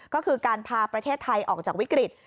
ก็คือการพาประเทศไทยออกจากวิกฤต